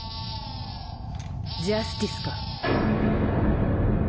ジャスティスか。